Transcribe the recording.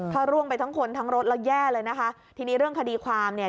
ถ้าร่วงไปทั้งคนทั้งรถแล้วแย่เลยนะคะทีนี้เรื่องคดีความเนี่ย